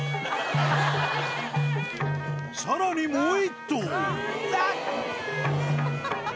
さらにもう１頭